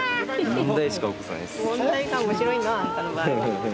問題が面白いのあんたの場合は。